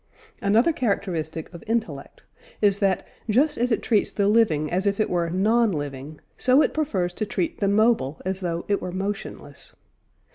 Another characteristic of intellect is that, just as it treats the living as if it were non living, so it prefers to treat the mobile as though it were motionless.